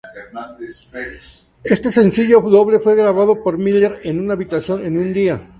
Este sencillo doble fue grabado por Miller en una habitación en un día.